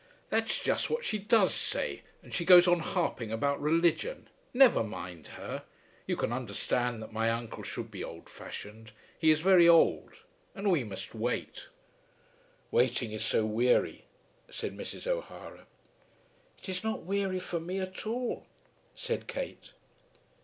"That's just what she does say; and she goes on harping about religion. Never mind her. You can understand that my uncle should be old fashioned. He is very old, and we must wait." "Waiting is so weary," said Mrs. O'Hara. "It is not weary for me at all," said Kate.